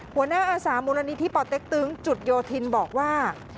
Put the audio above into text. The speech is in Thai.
หัวหน้าอาสามูลณีที่ปอเต็กตึงจุดโยธินบอกว่า